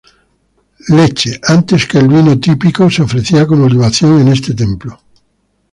Leche, antes que el vino típico, se ofrecía como libación en este templo.